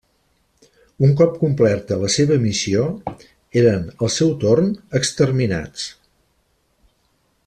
Un cop complerta la seva missió eren, al seu torn, exterminats.